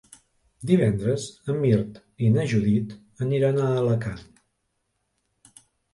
Divendres en Mirt i na Judit aniran a Alacant.